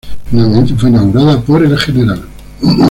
Finalmente fue inaugurado por el Gral.